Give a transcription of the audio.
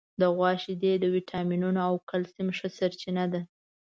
د غوا شیدې د وټامینونو او کلسیم ښه سرچینه ده.